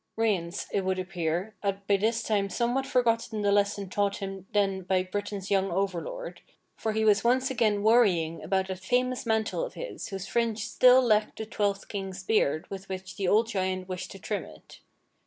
Rience, it would appear, had by this time somewhat forgotten the lesson taught him then by Britain's young overlord, for he w'as once again worrying about that famous mantle of his whose fringe still lacked the twelfth king's beard with wdiich the old giant wished to trim it.